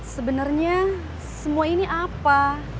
sebenarnya semua ini apa